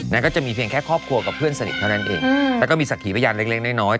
ก็จะมีเพียงแค่ครอบครัวกับเพื่อนสนิทเท่านั้นเองแล้วก็มีสักขีพยานเล็กน้อย